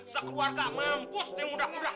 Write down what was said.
sekeluarga mampus nih mudah mudahan